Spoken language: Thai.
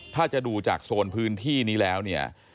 ถ้าจะดูจากโซนพื้นที่นี้แล้วเนี่ย